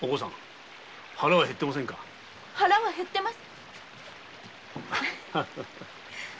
腹はへってます。